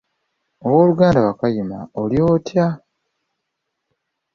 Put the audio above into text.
Ow'oluganda Wakayima oli otya?